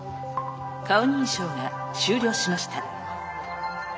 顔認証が終了しました。